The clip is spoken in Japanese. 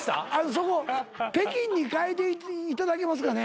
そこ「北京」に変えていただけますかね